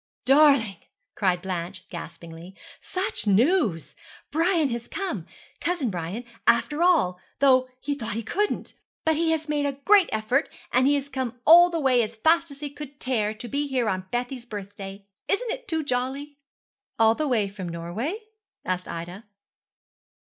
'Darling,' cried Blanche gaspingly, 'such news. Brian has come cousin Brian after all, though he thought he couldn't. But he made a great effort, and he has come all the way as fast as he could tear to be here on Bessie's birthday. Isn't it too jolly?' 'All the way from Norway?' asked Ida.